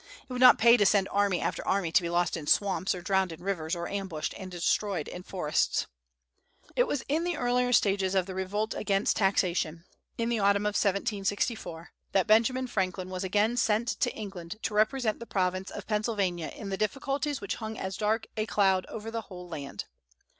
It would not pay to send army after army to be lost in swamps or drowned in rivers or ambushed and destroyed in forests. It was in the earlier stages of the revolt against taxation, in the autumn of 1764, that Benjamin Franklin was again sent to England to represent the province of Pennsylvania in the difficulties which hung as a dark cloud over the whole land.